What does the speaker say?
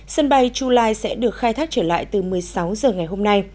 sân bay chulai sẽ được khai thác trở lại từ một mươi sáu giờ ngày hôm nay